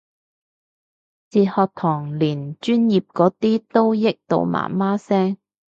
哲學堂連專業嗰啲都譯到媽媽聲